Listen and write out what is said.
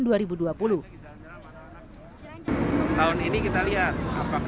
yang menyebutnya peraturan mudik yang berkaitan dengan peraturan mudik